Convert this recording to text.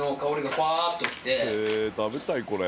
へぇ食べたいこれ。